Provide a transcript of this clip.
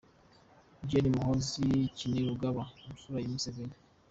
Gen Muhoozi Kainerugaba, imfura ya Museveni.